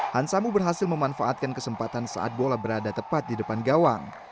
hansamu berhasil memanfaatkan kesempatan saat bola berada tepat di depan gawang